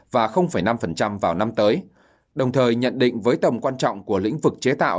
và năm vào năm tới đồng thời nhận định với tầm quan trọng của lĩnh vực chế tạo